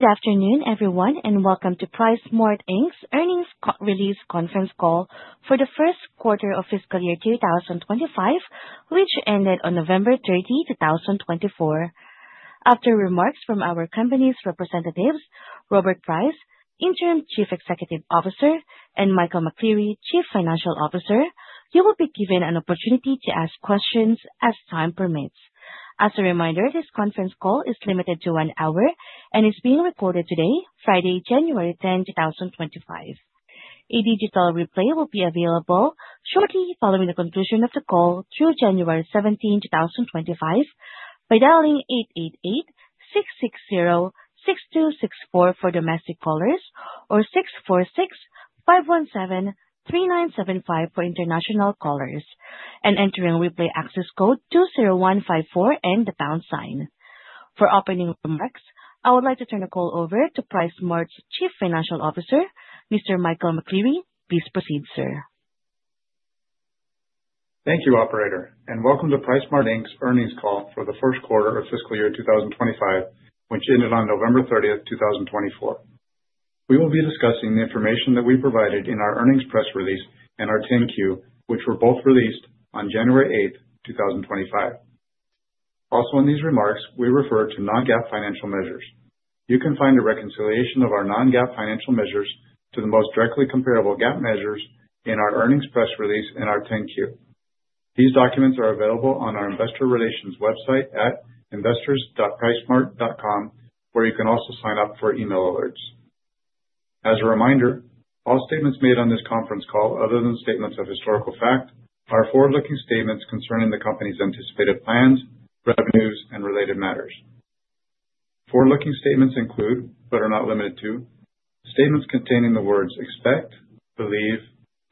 Good afternoon, everyone, and welcome to PriceSmart, Inc.'s earnings release conference call for the Q1 of fiscal year 2025, which ended on November 30, 2024. After remarks from our company's representatives, Robert Price, Interim Chief Executive Officer, and Michael McCleary, Chief Financial Officer, you will be given an opportunity to ask questions as time permits. As a reminder, this conference call is limited to one hour and is being recorded today, Friday, January 10, 2025. A digital replay will be available shortly following the conclusion of the call through January 17, 2025, by dialing 888-660-6264 for domestic callers or 646-517-3975 for international callers, and entering replay access code 20154 and the pound sign. For opening remarks, I would like to turn the call over to PriceSmart's Chief Financial Officer, Mr. Michael McCleary. Please proceed, sir. Thank you, Operator, and welcome to PriceSmart, Inc.'s earnings call for the Q1 of fiscal year 2025, which ended on November 30, 2024. We will be discussing the information that we provided in our earnings press release and our 10-Q, which were both released on January 8, 2025. Also, in these remarks, we refer to non-GAAP financial measures. You can find a reconciliation of our non-GAAP financial measures to the most directly comparable GAAP measures in our earnings press release and our 10-Q. These documents are available on our investor relations website at investors.pricesmart.com, where you can also sign up for email alerts. As a reminder, all statements made on this conference call, other than statements of historical fact, are forward-looking statements concerning the company's anticipated plans, revenues, and related matters. Forward-looking statements include, but are not limited to, statements containing the words expect, believe,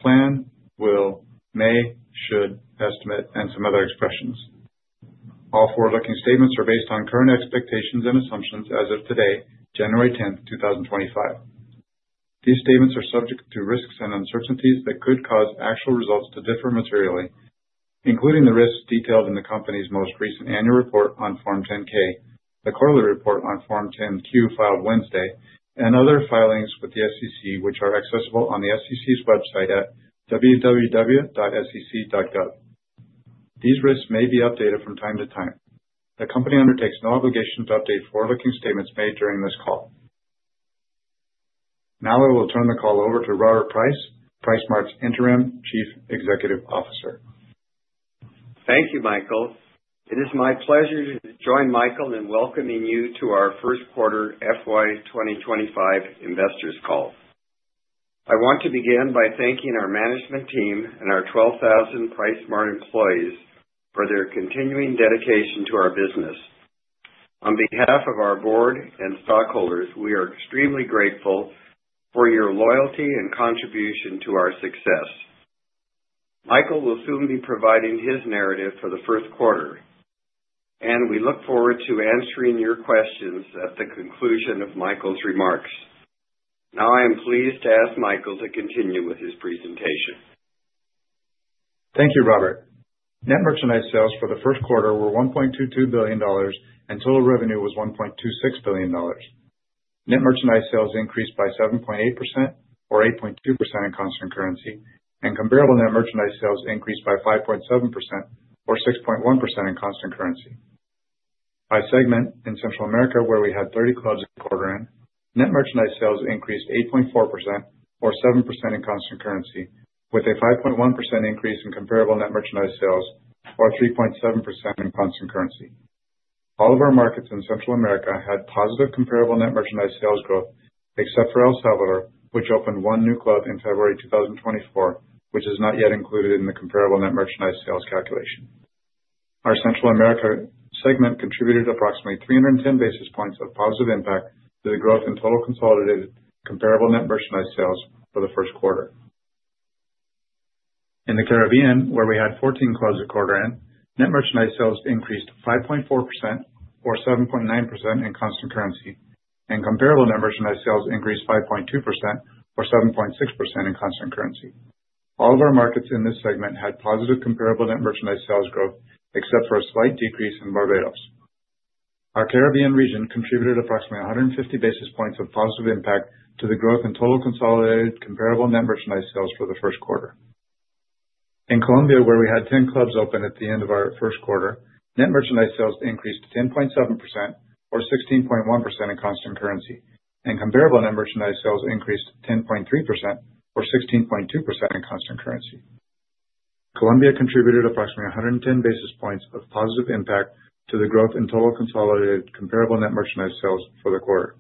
plan, will, may, should, estimate, and some other expressions. All forward-looking statements are based on current expectations and assumptions as of today, January 10, 2025. These statements are subject to risks and uncertainties that could cause actual results to differ materially, including the risks detailed in the company's most recent annual report on Form 10-K, the quarterly report on Form 10-Q filed Wednesday, and other filings with the SEC, which are accessible on the SEC's website at www.sec.gov. These risks may be updated from time to time. The company undertakes no obligation to update forward-looking statements made during this call. Now I will turn the call over to Robert Price, PriceSmart's Interim Chief Executive Officer. Thank you, Michael. It is my pleasure to join Michael in welcoming you to our Q1 FY 2025 investors call. I want to begin by thanking our management team and our 12,000 PriceSmart employees for their continuing dedication to our business. On behalf of our board and stockholders, we are extremely grateful for your loyalty and contribution to our success. Michael will soon be providing his narrative for the Q1, and we look forward to answering your questions at the conclusion of Michael's remarks. Now I am pleased to ask Michael to continue with his presentation. Thank you, Robert. Net merchandise sales for the Q1 were $1.22 billion, and total revenue was $1.26 billion. Net merchandise sales increased by 7.8% or 8.2% in constant currency, and comparable net merchandise sales increased by 5.7% or 6.1% in constant currency. By segment in Central America, where we had 30 clubs in the quarter, net merchandise sales increased 8.4% or 7% in constant currency, with a 5.1% increase in comparable net merchandise sales or 3.7% in constant currency. All of our markets in Central America had positive comparable net merchandise sales growth, except for El Salvador, which opened one new club in February 2024, which is not yet included in the comparable net merchandise sales calculation. Our Central America segment contributed approximately 310 basis points of positive impact to the growth in total consolidated comparable net merchandise sales for the Q1. In the Caribbean, where we had 14 clubs in the quarter, net merchandise sales increased 5.4% or 7.9% in constant currency, and comparable net merchandise sales increased 5.2% or 7.6% in constant currency. All of our markets in this segment had positive comparable net merchandise sales growth, except for a slight decrease in Barbados. Our Caribbean region contributed approximately 150 basis points of positive impact to the growth in total consolidated comparable net merchandise sales for the Q1. In Colombia, where we had 10 clubs open at the end of our Q1, net merchandise sales increased 10.7% or 16.1% in constant currency, and comparable net merchandise sales increased 10.3% or 16.2% in constant currency. Colombia contributed approximately 110 basis points of positive impact to the growth in total consolidated comparable net merchandise sales for the quarter.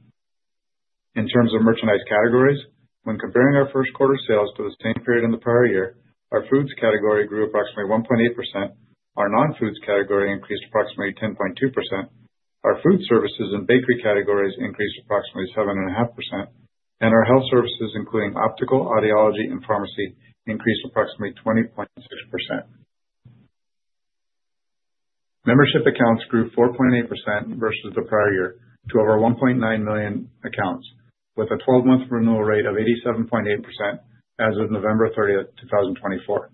In terms of merchandise categories, when comparing our Q1 sales to the same period in the prior year, our foods category grew approximately 1.8%, our non-foods category increased approximately 10.2%, our food services and bakery categories increased approximately 7.5%, and our health services, including optical, audiology, and pharmacy, increased approximately 20.6%. Membership accounts grew 4.8% versus the prior year to over 1.9 million accounts, with a 12-month renewal rate of 87.8% as of November 30, 2024.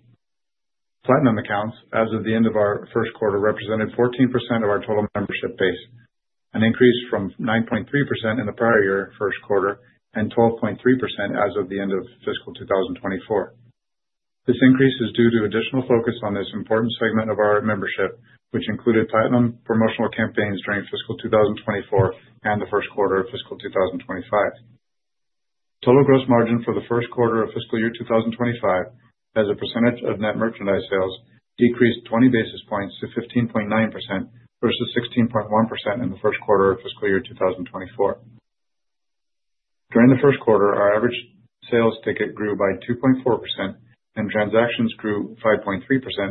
Platinum accounts, as of the end of our Q1, represented 14% of our total membership base, an increase from 9.3% in the prior year Q1 and 12.3% as of the end of fiscal 2024. This increase is due to additional focus on this important segment of our membership, which included platinum promotional campaigns during fiscal 2024 and the Q1 of fiscal 2025. Total gross margin for the Q1 of fiscal year 2025, as a percentage of net merchandise sales, decreased 20 basis points to 15.9% versus 16.1% in the Q1 of fiscal year 2024. During the Q1, our average sales ticket grew by 2.4%, and transactions grew 5.3%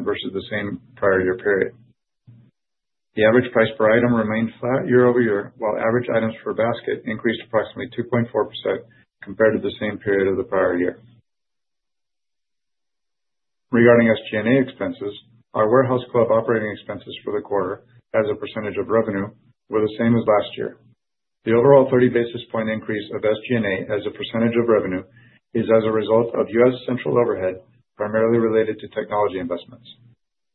versus the same prior year period. The average price per item remained flat year-over-year, while average items per basket increased approximately 2.4% compared to the same period of the prior year. Regarding SG&A expenses, our warehouse club operating expenses for the quarter, as a percentage of revenue, were the same as last year. The overall 30 basis point increase of SG&A as a percentage of revenue is as a result of U.S. central overhead, primarily related to technology investments.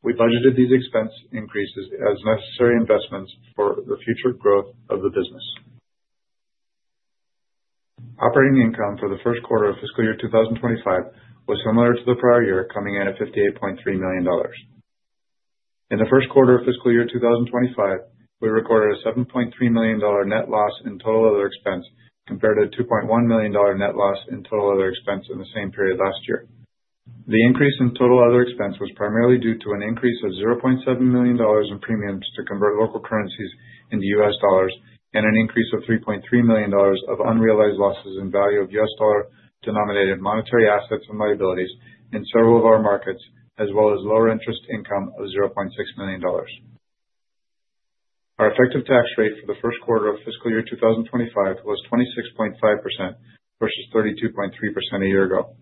We budgeted these expense increases as necessary investments for the future growth of the business. Operating income for the Q1 of fiscal year 2025 was similar to the prior year, coming in at $58.3 million. In the Q1 of fiscal year 2025, we recorded a $7.3 million net loss in total other expense compared to a $2.1 million net loss in total other expense in the same period last year. The increase in total other expense was primarily due to an increase of $0.7 million in premiums to convert local currencies into U.S. dollars and an increase of $3.3 million of unrealized losses in value of U.S. dollar-denominated monetary assets and liabilities in several of our markets, as well as lower interest income of $0.6 million. Our effective tax rate for the Q1 of fiscal year 2025 was 26.5% versus 32.3% a year ago.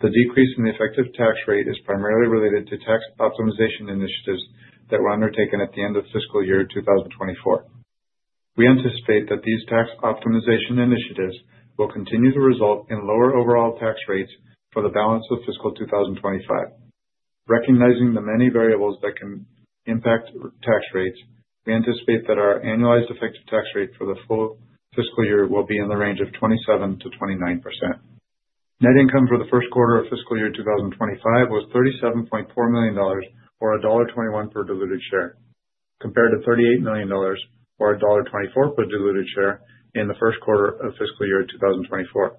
The decrease in the effective tax rate is primarily related to tax optimization initiatives that were undertaken at the end of fiscal year 2024. We anticipate that these tax optimization initiatives will continue to result in lower overall tax rates for the balance of fiscal 2025. Recognizing the many variables that can impact tax rates, we anticipate that our annualized effective tax rate for the full fiscal year will be in the range of 27%-29%. Net income for the Q1 of fiscal year 2025 was $37.4 million or $1.21 per diluted share, compared to $38 million or $1.24 per diluted share in the Q1 of fiscal year 2024.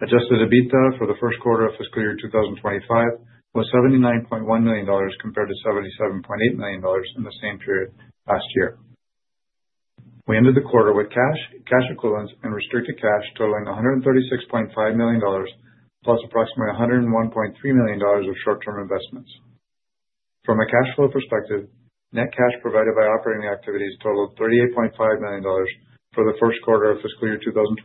Adjusted EBITDA for the Q1 of fiscal year 2025 was $79.1 million compared to $77.8 million in the same period last year. We ended the quarter with cash, cash equivalents, and restricted cash totaling $136.5 million, plus approximately $101.3 million of short-term investments. From a cash flow perspective, net cash provided by operating activities totaled $38.5 million for the Q1 of fiscal year 2025,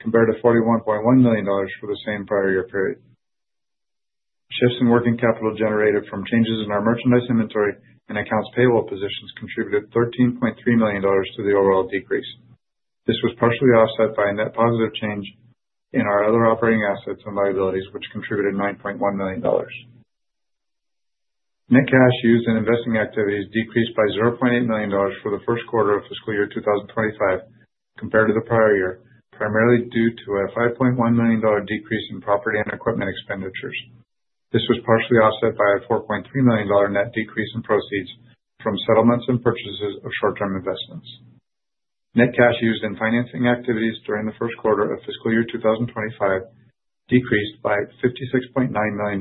compared to $41.1 million for the same prior year period. Shifts in working capital generated from changes in our merchandise inventory and accounts payable positions contributed $13.3 million to the overall decrease. This was partially offset by a net positive change in our other operating assets and liabilities, which contributed $9.1 million. Net cash used in investing activities decreased by $0.8 million for the Q1 of fiscal year 2025, compared to the prior year, primarily due to a $5.1 million decrease in property and equipment expenditures. This was partially offset by a $4.3 million net decrease in proceeds from settlements and purchases of short-term investments. Net cash used in financing activities during the Q1 of fiscal year 2025 decreased by $56.9 million,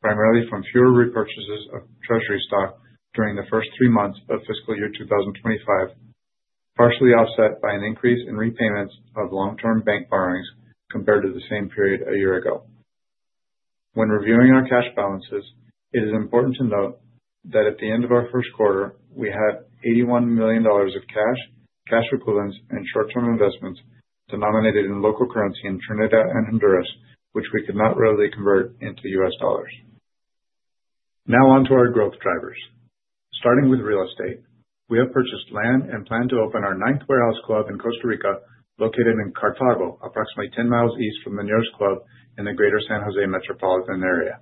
primarily from fewer repurchases of treasury stock during the first three months of fiscal year 2025, partially offset by an increase in repayments of long-term bank borrowings compared to the same period a year ago. When reviewing our cash balances, it is important to note that at the end of our Q1, we had $81 million of cash, cash equivalents, and short-term investments denominated in local currency in Trinidad and Honduras, which we could not readily convert into U.S. dollars. Now on to our growth drivers. Starting with real estate, we have purchased land and plan to open our ninth warehouse club in Costa Rica, located in Cartago, approximately 10 miles east from the nearest club in the greater San José Metropolitan area.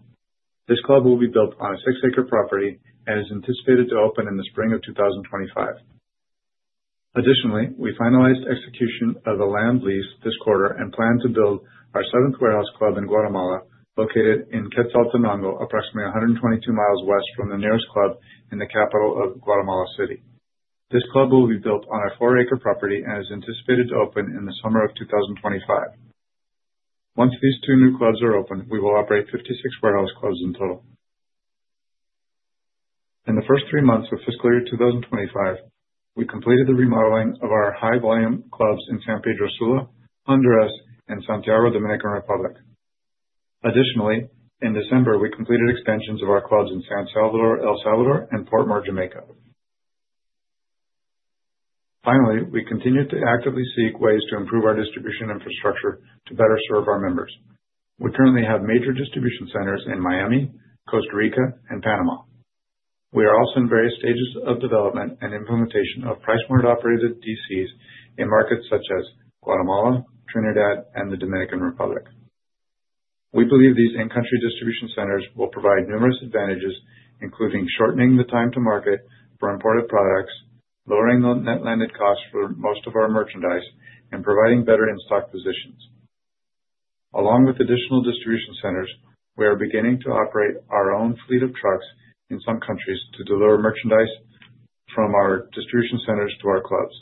This club will be built on a six-acre property and is anticipated to open in the spring of 2025. Additionally, we finalized execution of the land lease this quarter and plan to build our seventh warehouse club in Guatemala, located in Quetzaltenango, approximately 122 miles west from the nearest club in the capital of Guatemala City. This club will be built on a four-acre property and is anticipated to open in the summer of 2025. Once these two new clubs are open, we will operate 56 warehouse clubs in total. In the first three months of fiscal year 2025, we completed the remodeling of our high-volume clubs in San Pedro Sula, Honduras, and Santiago, Dominican Republic. Additionally, in December, we completed expansions of our clubs in San Salvador, El Salvador, and Portmore, Jamaica. Finally, we continue to actively seek ways to improve our distribution infrastructure to better serve our members. We currently have major distribution centers in Miami, Costa Rica, and Panama. We are also in various stages of development and implementation of PriceSmart operated DCs in markets such as Guatemala, Trinidad, and the Dominican Republic. We believe these in-country distribution centers will provide numerous advantages, including shortening the time to market for imported products, lowering the net landed costs for most of our merchandise, and providing better in-stock positions. Along with additional distribution centers, we are beginning to operate our own fleet of trucks in some countries to deliver merchandise from our distribution centers to our clubs.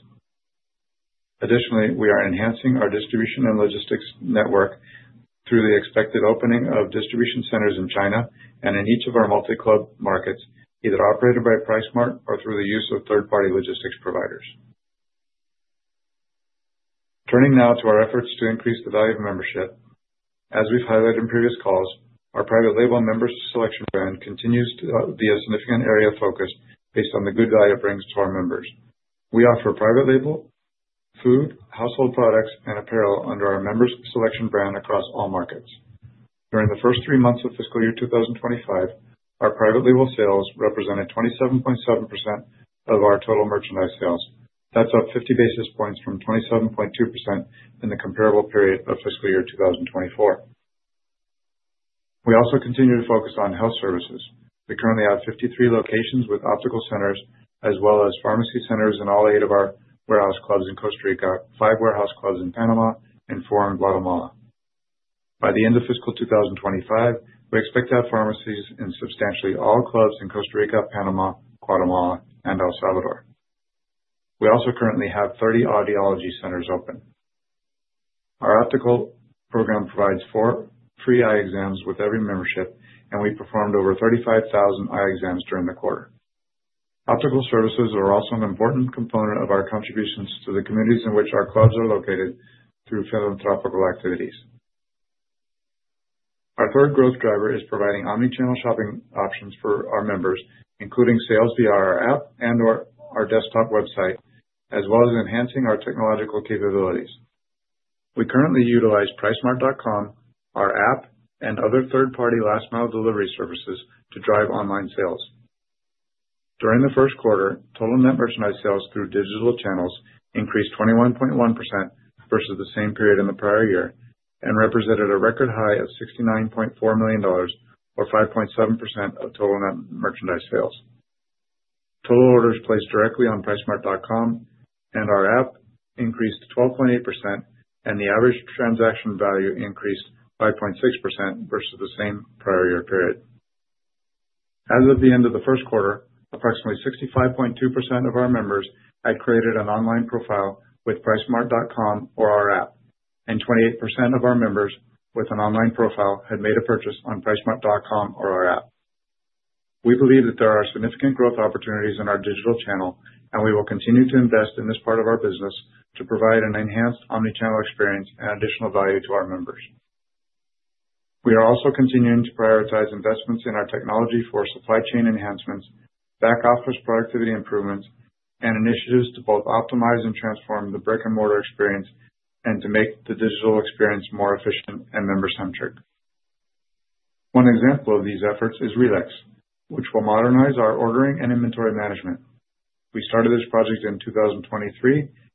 Additionally, we are enhancing our distribution and logistics network through the expected opening of distribution centers in China and in each of our multi-club markets, either operated by PriceSmart or through the use of third-party logistics providers. Turning now to our efforts to increase the value of membership. As we've highlighted in previous calls, our private label Member's Selection brand continues to be a significant area of focus based on the good value it brings to our members. We offer private label, food, household products, and apparel under our Member's Selection brand across all markets. During the first three months of fiscal year 2025, our private label sales represented 27.7% of our total merchandise sales. That's up 50 basis points from 27.2% in the comparable period of fiscal year 2024. We also continue to focus on health services. We currently have 53 locations with optical centers, as well as pharmacy centers in all eight of our warehouse clubs in Costa Rica, five warehouse clubs in Panama, and four in Guatemala. By the end of fiscal 2025, we expect to have pharmacies in substantially all clubs in Costa Rica, Panama, Guatemala, and El Salvador. We also currently have 30 audiology centers open. Our optical program provides four free eye exams with every membership, and we performed over 35,000 eye exams during the quarter. Optical services are also an important component of our contributions to the communities in which our clubs are located through philanthropic activities. Our third growth driver is providing omnichannel shopping options for our members, including sales via our app and/or our desktop website, as well as enhancing our technological capabilities. We currently utilize PriceSmart.com, our app, and other third-party last-mile delivery services to drive online sales. During the Q1, total net merchandise sales through digital channels increased 21.1% versus the same period in the prior year and represented a record high of $69.4 million or 5.7% of total net merchandise sales. Total orders placed directly on PriceSmart.com and our app increased 12.8%, and the average transaction value increased 5.6% versus the same prior year period. As of the end of the Q1, approximately 65.2% of our members had created an online profile with PriceSmart.com or our app, and 28% of our members with an online profile had made a purchase on PriceSmart.com or our app. We believe that there are significant growth opportunities in our digital channel, and we will continue to invest in this part of our business to provide an enhanced omnichannel experience and additional value to our members. We are also continuing to prioritize investments in our technology for supply chain enhancements, back office productivity improvements, and initiatives to both optimize and transform the brick-and-mortar experience and to make the digital experience more efficient and member-centric. One example of these efforts is RELEX, which will modernize our ordering and inventory management. We started this project in 2023,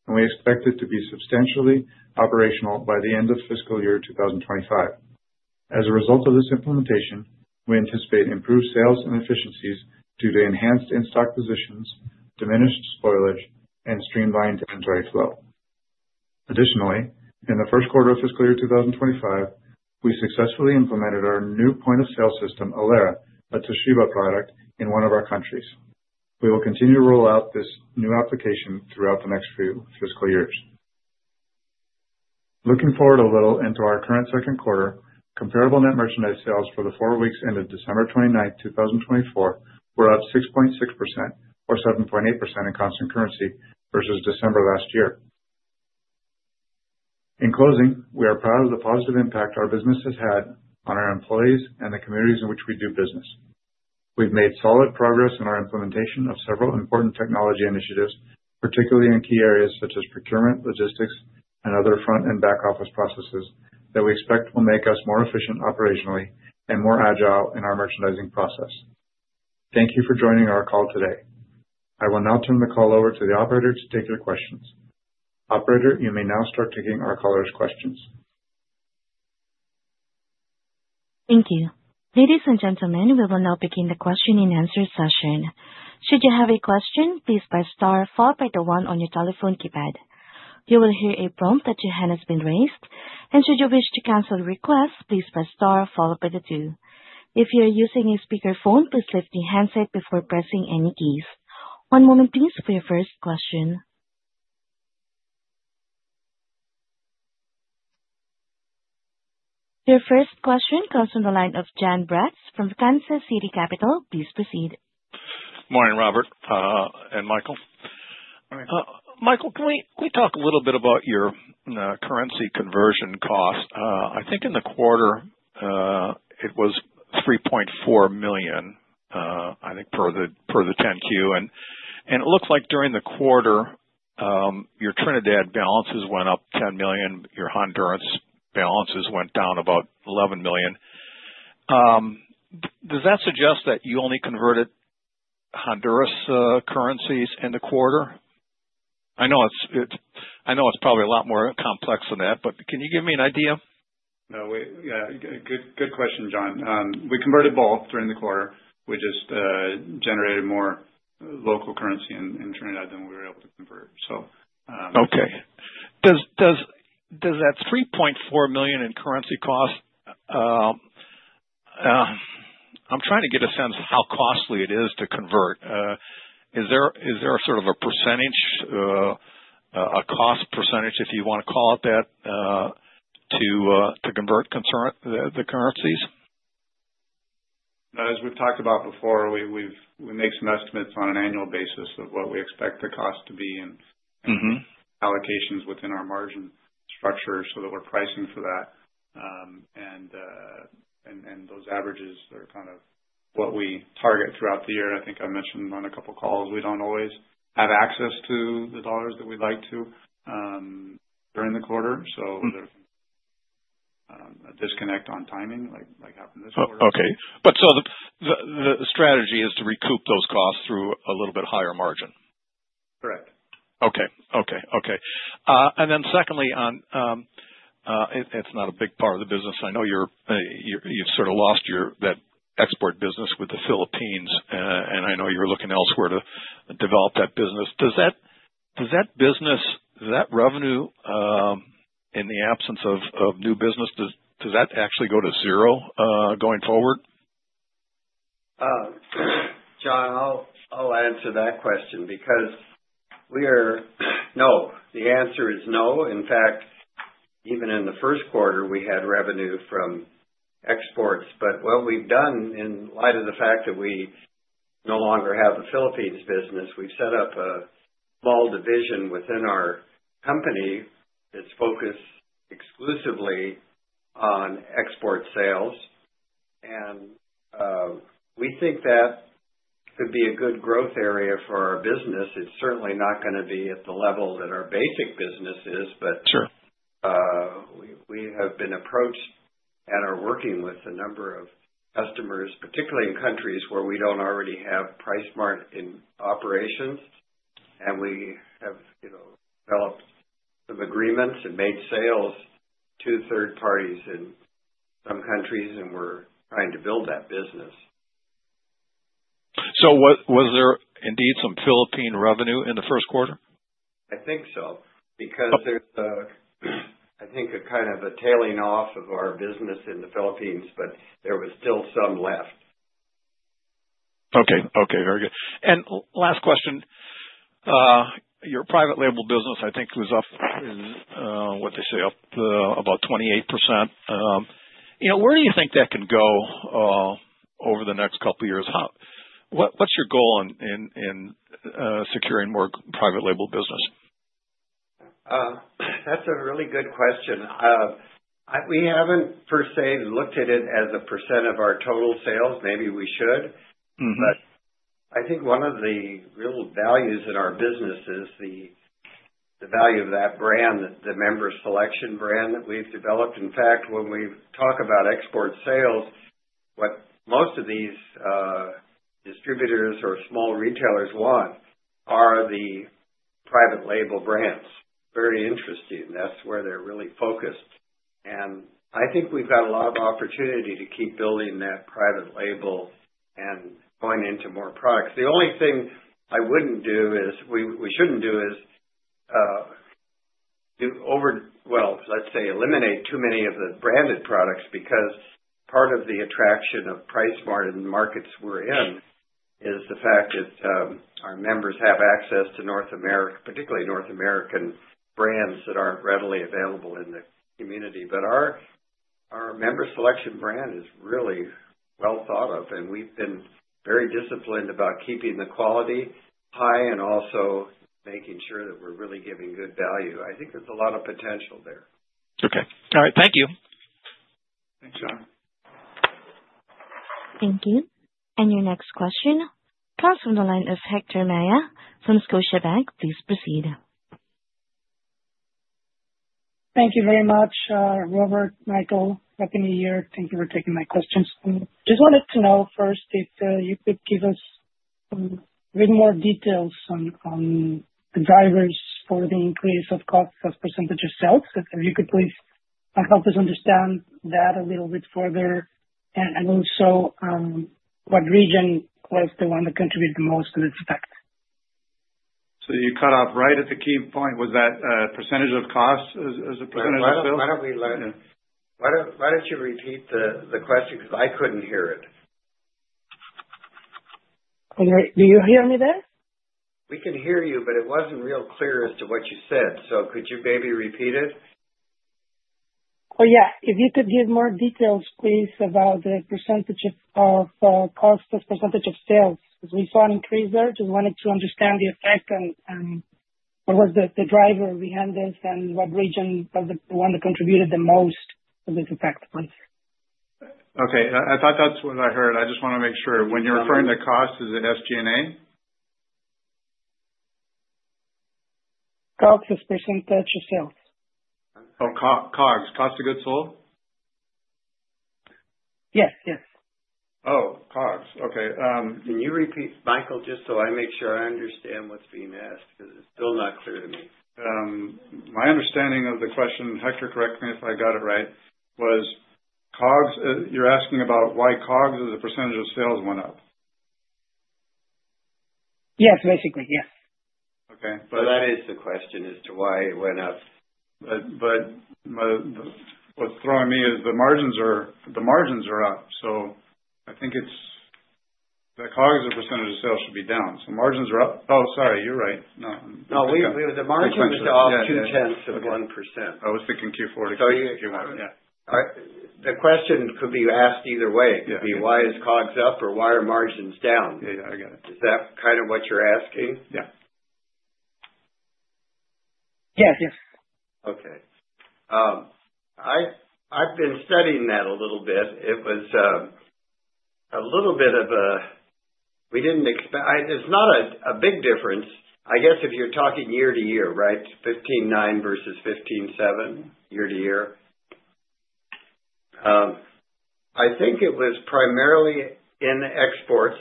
and we expect it to be substantially operational by the end of fiscal year 2025. As a result of this implementation, we anticipate improved sales and efficiencies due to enhanced in-stock positions, diminished spoilage, and streamlined inventory flow. Additionally, in the Q1 of fiscal year 2025, we successfully implemented our new point of sale system, ELERA, a Toshiba product in one of our countries. We will continue to roll out this new application throughout the next few fiscal years. Looking forward a little into our current second quarter, comparable net merchandise sales for the four weeks ended December 29, 2024, were up 6.6% or 7.8% in constant currency versus December last year. In closing, we are proud of the positive impact our business has had on our employees and the communities in which we do business. We've made solid progress in our implementation of several important technology initiatives, particularly in key areas such as procurement, logistics, and other front- and back-office processes that we expect will make us more efficient operationally and more agile in our merchandising process. Thank you for joining our call today. I will now turn the call over to the operator to take your questions. Operator, you may now start taking our callers' questions. Thank you. Ladies and gentlemen, we will now begin the question and answer session. Should you have a question, please press star followed by the one on your telephone keypad. You will hear a prompt that your hand has been raised, and should you wish to cancel a request, please press star followed by the two. If you are using a speakerphone, please lift the handset before pressing any keys. One moment, please, for your first question. Your first question comes from the line of Jonathan Braatz from Kansas City Capital Associates. Please proceed. Morning, Robert and Michael. Michael, can we talk a little bit about your currency conversion cost? I think in the quarter it was $3.4 million, I think, per the 10-Q, and it looks like during the quarter your Trinidad balances went up $10 million, your Honduras balances went down about $11 million. Does that suggest that you only converted Honduras currencies in the quarter? I know it's probably a lot more complex than that, but can you give me an idea? Yeah, good question, Jon. We converted both during the quarter. We just generated more local currency in Trinidad than we were able to convert, so. Okay. Does that $3.4 million in currency cost? I'm trying to get a sense of how costly it is to convert. Is there sort of a percentage, a cost percentage, if you want to call it that, to convert the currencies? As we've talked about before, we make some estimates on an annual basis of what we expect the cost to be and allocations within our margin structure so that we're pricing for that, and those averages are kind of what we target throughout the year. I think I mentioned on a couple of calls we don't always have access to the dollars that we'd like to during the quarter, so there's a disconnect on timing like happened this quarter. Okay. But so the strategy is to recoup those costs through a little bit higher margin? Correct. Okay. Okay. Okay. And then secondly, it's not a big part of the business. I know you've sort of lost that export business with the Philippines, and I know you're looking elsewhere to develop that business. Does that business, that revenue in the absence of new business, does that actually go to zero going forward? Jon, I'll answer that question because we are no, the answer is no. In fact, even in the Q1, we had revenue from exports, but what we've done in light of the fact that we no longer have the Philippines business, we've set up a small division within our company that's focused exclusively on export sales, and we think that could be a good growth area for our business. It's certainly not going to be at the level that our basic business is, but we have been approached and are working with a number of customers, particularly in countries where we don't already have PriceSmart in operations, and we have developed some agreements and made sales to third parties in some countries, and we're trying to build that business. So was there indeed some Philippine revenue in the Q1? I think so because there's, I think, a kind of a tailing off of our business in the Philippines, but there was still some left. Okay. Okay. Very good. And last question, your private label business, I think, was up, what they say, up about 28%. Where do you think that can go over the next couple of years? What's your goal in securing more private label business? That's a really good question. We haven't per se looked at it as a % of our total sales. Maybe we should, but I think one of the real values in our business is the value of that brand, the Member's Selection brand that we've developed. In fact, when we talk about export sales, what most of these distributors or small retailers want are the private label brands. Very interesting. That's where they're really focused, and I think we've got a lot of opportunity to keep building that private label and going into more products. The only thing I wouldn't do is we shouldn't do is, well, let's say eliminate too many of the branded products because part of the attraction of PriceSmart in the markets we're in is the fact that our members have access to North America, particularly North American brands that aren't readily available in the community. But our Member Selection brand is really well thought of, and we've been very disciplined about keeping the quality high and also making sure that we're really giving good value. I think there's a lot of potential there. Okay. All right. Thank you. Thanks, Jon. Thank you. And your next question comes from the line of Héctor Maya from Scotiabank. Please proceed. Thank you very much, Robert, Michael. Happy New Year. Thank you for taking my questions. I just wanted to know first if you could give us a bit more details on the drivers for the increase in cost as a percentage of sales. If you could please help us understand that a little bit further, and also what region was the one that contributed the most to this effect. So you cut off right at the key point. Was that cost as a percentage of sales? Why don't you repeat the question because I couldn't hear it? Do you hear me there? We can hear you, but it wasn't real clear as to what you said. So could you maybe repeat it? Oh, yeah. If you could give more details, please, about the percentage of cost of percentage of sales. We saw an increase there. Just wanted to understand the effect and what was the driver behind this and what region was the one that contributed the most to this effect, please. Okay. I thought that's what I heard. I just want to make sure. When you're referring to cost, is it SG&A? Cost of percentage of sales. Oh, COGS. Cost of Goods Sold? Yes. Yes. Oh, COGS. Okay. Can you repeat, Michael, just so I make sure I understand what's being asked because it's still not clear to me? My understanding of the question, Hector, correct me if I got it right, was COGS. You're asking about why COGS as a percentage of sales went up? Yes, basically. Yes. Okay. But that is the question as to why it went up. But what's throwing me is the margins are up. So I think the COGS percentage of sales should be down. So margins are up. Oh, sorry. You're right. No, the margins are up two-tenths of 1%. I was thinking Q4 to Q1. Yeah. The question could be asked either way. It could be why is COGS up or why are margins down? Is that kind of what you're asking? Yeah. Yes. Yes. Okay. I've been studying that a little bit. It was a little bit of a we didn't expect it's not a big difference. I guess if you're talking year to year, right, 15.9 versus 15.7 year to year, I think it was primarily in exports,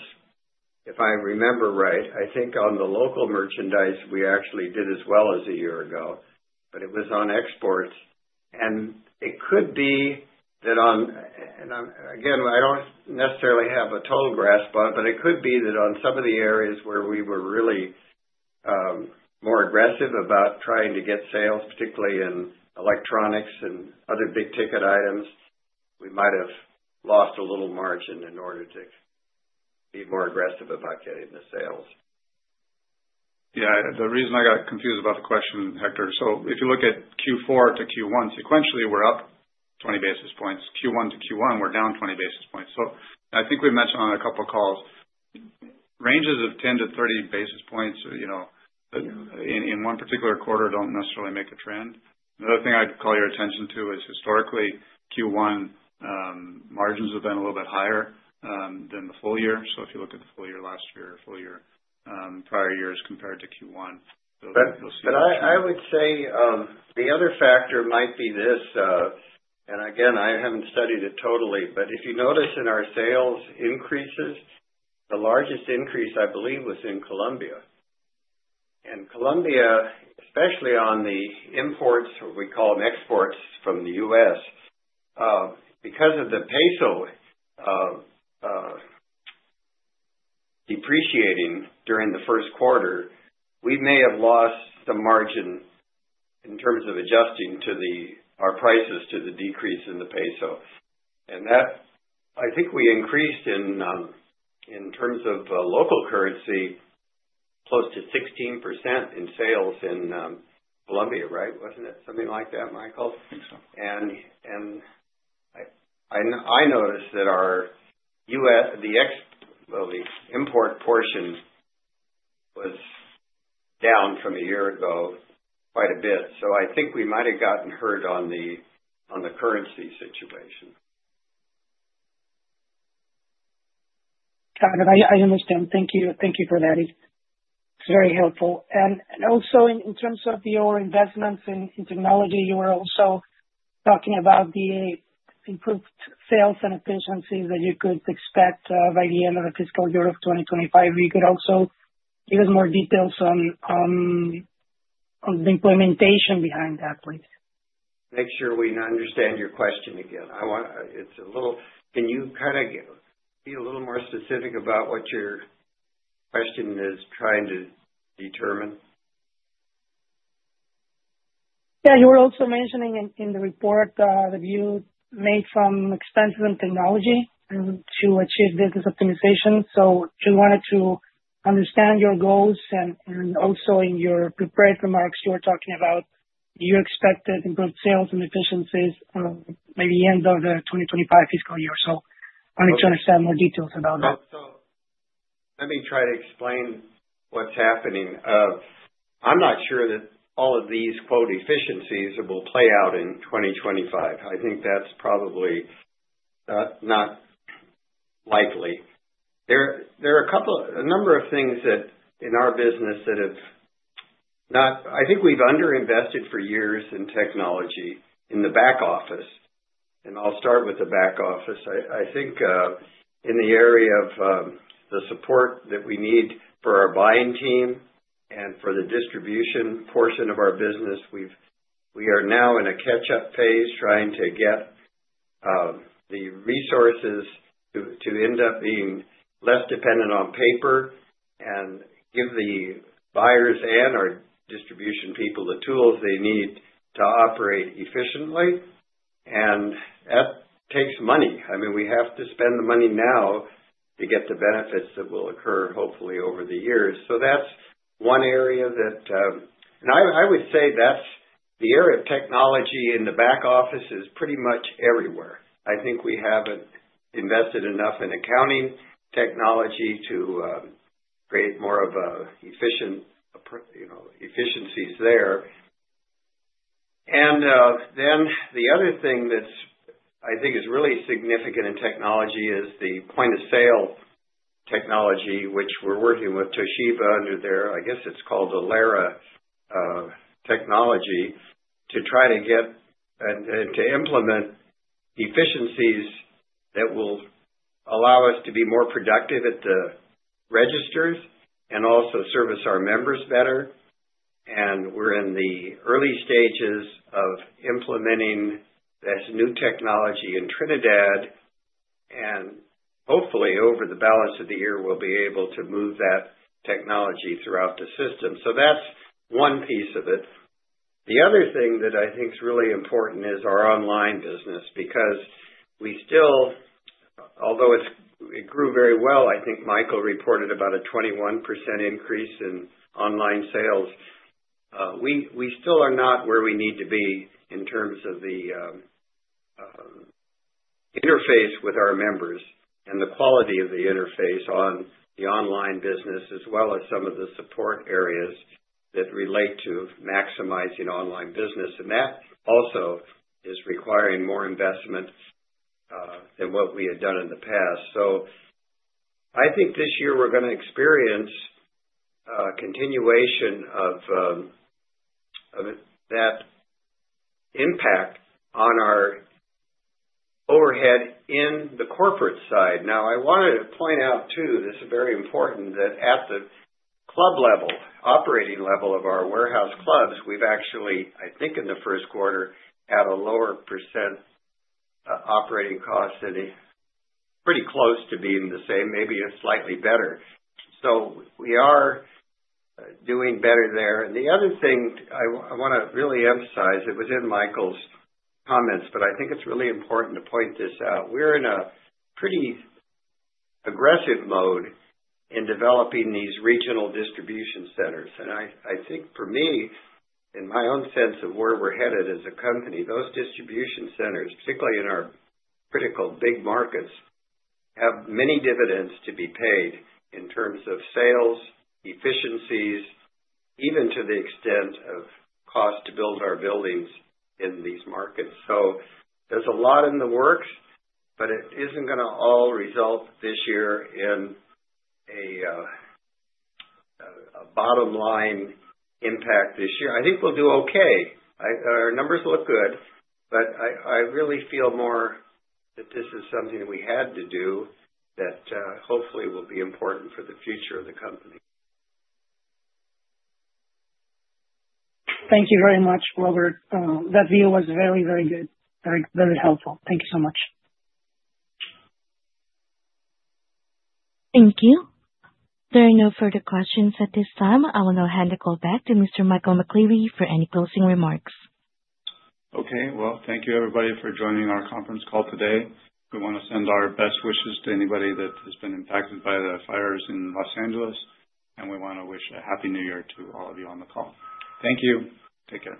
if I remember right. I think on the local merchandise, we actually did as well as a year ago, but it was on exports, and it could be that on and again, I don't necessarily have a total grasp on it, but it could be that on some of the areas where we were really more aggressive about trying to get sales, particularly in electronics and other big ticket items, we might have lost a little margin in order to be more aggressive about getting the sales. Yeah. The reason I got confused about the question, Hector, so if you look at Q4 to Q1 sequentially, we're up 20 basis points. Q1 to Q1, we're down 20 basis points. So I think we've mentioned on a couple of calls, ranges of 10-30 basis points in one particular quarter don't necessarily make a trend. The other thing I'd call your attention to is historically Q1 margins have been a little bit higher than the full year. So if you look at the full year last year, full year prior years compared to Q1, you'll see that. But I would say the other factor might be this, and again, I haven't studied it totally, but if you notice in our sales increases, the largest increase, I believe, was in Colombia. And Colombia, especially on the imports, what we call them exports from the U.S., because of the peso depreciating during the Q1, we may have lost some margin in terms of adjusting to our prices to the decrease in the peso. And I think we increased in terms of local currency close to 16% in sales in Colombia, right? Wasn't it something like that, Michael? I think so. And I noticed that the import portion was down from a year ago quite a bit. So I think we might have gotten hurt on the currency situation. I understand. Thank you. Thank you for that. It's very helpful. And also in terms of your investments in technology, you were also talking about the improved sales and efficiencies that you could expect by the end of the fiscal year of 2025. You could also give us more details on the implementation behind that, please. Make sure we understand your question again. It's a little can you kind of be a little more specific about what your question is trying to determine? Yeah. You were also mentioning in the report that you made some expenses in technology to achieve business optimization. So just wanted to understand your goals. And also in your prepared remarks, you were talking about you expected improved sales and efficiencies by the end of the 2025 fiscal year. So I wanted to understand more details about that. Let me try to explain what's happening. I'm not sure that all of these "efficiencies" will play out in 2025. I think that's probably not likely. There are a number of things in our business that have not. I think we've underinvested for years in technology in the back office. And I'll start with the back office. I think in the area of the support that we need for our buying team and for the distribution portion of our business, we are now in a catch-up phase trying to get the resources to end up being less dependent on paper and give the buyers and our distribution people the tools they need to operate efficiently. And that takes money. I mean, we have to spend the money now to get the benefits that will occur hopefully over the years. So that's one area and I would say that's the area of technology in the back office is pretty much everywhere. I think we haven't invested enough in accounting technology to create more of efficiencies there. And then the other thing that I think is really significant in technology is the point-of-sale technology, which we're working with Toshiba under their, I guess it's called ELERA technology, to try to get and to implement efficiencies that will allow us to be more productive at the registers and also service our members better. And we're in the early stages of implementing this new technology in Trinidad. And hopefully, over the balance of the year, we'll be able to move that technology throughout the system. So that's one piece of it. The other thing that I think is really important is our online business because we still, although it grew very well, I think Michael reported about a 21% increase in online sales. We still are not where we need to be in terms of the interface with our members and the quality of the interface on the online business, as well as some of the support areas that relate to maximizing online business, and that also is requiring more investment than what we had done in the past, so I think this year we're going to experience continuation of that impact on our overhead in the corporate side. Now, I wanted to point out too, this is very important, that at the club level, operating level of our warehouse clubs, we've actually, I think in the Q1, had a lower percent operating cost and pretty close to being the same, maybe slightly better, so we are doing better there. And the other thing I want to really emphasize, it was in Michael's comments, but I think it's really important to point this out. We're in a pretty aggressive mode in developing these regional distribution centers. And I think for me, in my own sense of where we're headed as a company, those distribution centers, particularly in our critical big markets, have many dividends to be paid in terms of sales, efficiencies, even to the extent of cost to build our buildings in these markets. So there's a lot in the works, but it isn't going to all result this year in a bottom-line impact this year. I think we'll do okay. Our numbers look good, but I really feel more that this is something that we had to do that hopefully will be important for the future of the company. Thank you very much, Robert. That view was very, very good, very helpful. Thank you so much. Thank you. There are no further questions at this time. I will now hand the call back to Mr. Michael McCleary for any closing remarks. Okay. Well, thank you, everybody, for joining our conference call today. We want to send our best wishes to anybody that has been impacted by the fires in Los Angeles, and we want to wish a Happy New Year to all of you on the call. Thank you. Take care.